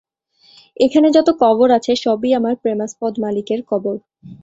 এখানে যত কবর আছে সবই আমার প্রেমাস্পদ মালিকের কবর।